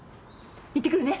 行ってくるね。